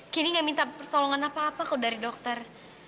kini gak minta pertolongan apa apa kok dari dokter